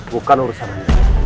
bukan urusan anda